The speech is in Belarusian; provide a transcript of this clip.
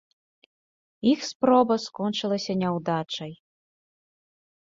Іх спроба скончылася няўдачай.